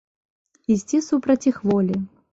Ісці супраць іх волі.